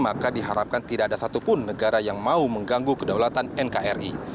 maka diharapkan tidak ada satupun negara yang mau mengganggu kedaulatan nkri